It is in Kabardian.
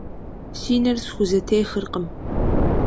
Си нэр схузэтехыркъым.